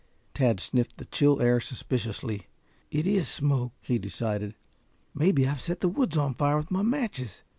Tad sniffed the chill air suspiciously. "It is smoke," he decided. "Maybe I've set the woods on fire with my matches.